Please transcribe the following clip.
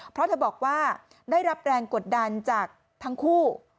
เพราะเธอบอกว่าได้รับแรงกดดันจากทั้งคู่